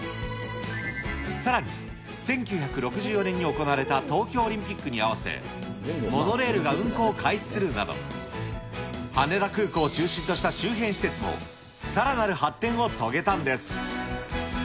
さらに１９６４年に行われた東京オリンピックに合わせ、モノレールが運行を開始するなど、羽田空港を中心とした周辺施設もさらなる発展を遂げたんです。